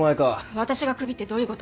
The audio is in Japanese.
私が首ってどういうこと？